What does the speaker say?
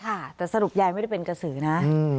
ค่ะแต่สรุปยายไม่ได้เป็นกระสือนะ